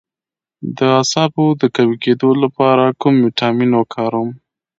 د اعصابو د قوي کیدو لپاره کوم ویټامین وکاروم؟